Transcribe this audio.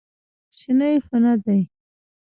کوچنى خو نه دى.